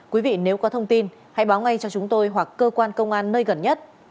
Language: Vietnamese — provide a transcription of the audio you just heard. quý vị nếu có thông tin hãy báo ngay cho chúng tôi hoặc cơ quan công an nơi gần nhất